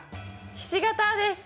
ひし形です。